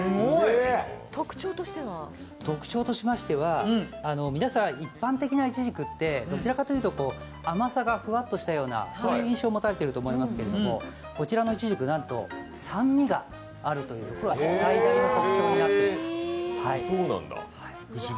特徴としましては、一般的なイチジクってどちからというと甘さがふわっとしたような印象を持たれていると思いますけれども、こちらのイチジク、なんと酸味があることが特徴になっています。